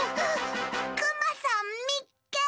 クマさんみっけ！